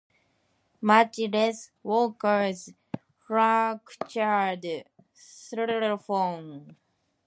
Much less Walker's fractured saxophone.